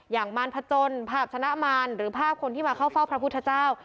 มารพจนภาพชนะมารหรือภาพคนที่มาเข้าเฝ้าพระพุทธเจ้า